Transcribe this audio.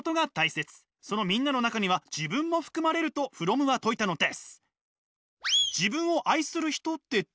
その「みんな」の中には自分も含まれるとフロムは説いたのです！